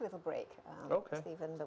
frustrasi ketika anda